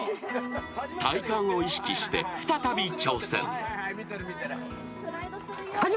［体幹を意識して再び挑戦］